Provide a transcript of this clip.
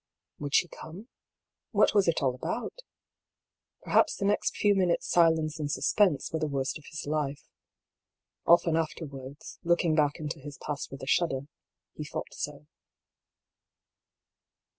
Would she come ? What was it all about ? Perhaps the next few minutes' silence and suspense were the worst of his life. Often afterwards, looking back into his past with a shudder, he thought so.